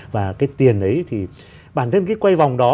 và cái tiền ấy thì bản thân cái quay vòng đó